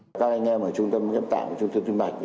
các anh em ở trung tâm ghép tạng trung tâm tim mạch